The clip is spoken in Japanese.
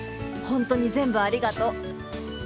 本当に全部ありがとう。